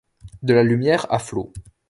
De la lumière à flots.